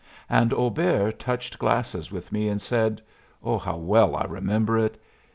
And Auber touched glasses with me and said how well I remember it!